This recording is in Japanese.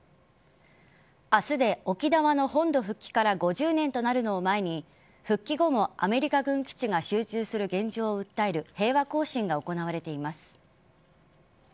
明日で沖縄の本土復帰から５０年となるのを前に復帰後もアメリカ軍基地が集中する現状を訴える平和行進が行われています。